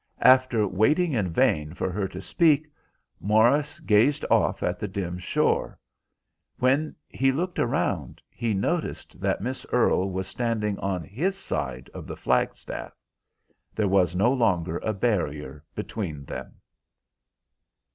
After waiting in vain for her to speak, Morris gazed off at the dim shore. When he looked around he noticed that Miss Earle was standing on his side of the flagstaff. There was no longer a barrier between them.